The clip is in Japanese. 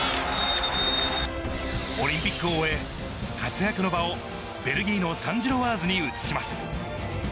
オリンピックを終え、活躍の場をベルギーのサン・ジロワーズに移します。